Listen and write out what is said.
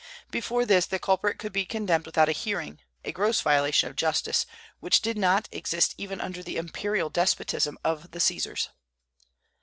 Before this, the culprit could be condemned without a hearing, a gross violation of justice, which did not exist even under the imperial despotism of the Caesars.